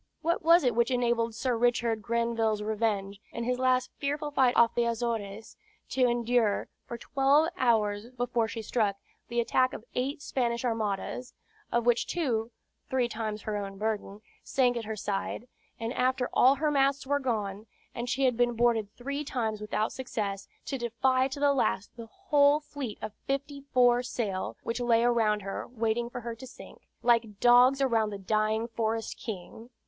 What was it which enabled Sir Richard Grenvil's Revenge, in his last fearful fight off the Azores, to endure, for twelve hours before she struck, the attack of eight Spanish armadas, of which two (three times her own burden) sank at her side; and after all her masts were gone, and she had been boarded three times without success, to defy to the last the whole fleet of fifty four sail, which lay around, her, waiting for her to sink, "like dogs around the dying forest king?"